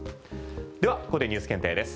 ではここでニュース検定です。